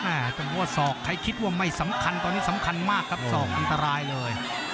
ต้องบอกว่าศอกใครคิดว่าไม่สำคัญตอนนี้สำคัญมากครับศอกอันตรายเลย